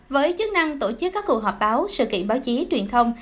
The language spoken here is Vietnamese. với chức năng tổ chức các cuộc họp báo sự kiện báo chí truyền thông